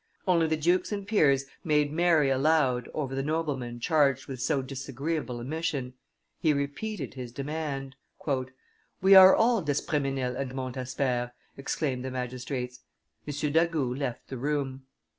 Only the dukes and peers made merry aloud over the nobleman charged with so disagreeable a mission: he repeated his demand: "We are all d'Espremesnil and Montsabert," exclaimed the magistrates. M. d'Agoult left the room.